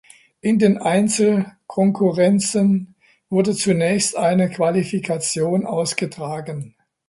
In den Einzelkonkurrenzen wurde zunächst eine Qualifikation ausgetragen.